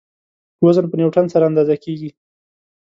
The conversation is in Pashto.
وزن په نیوټن سره اندازه کیږي.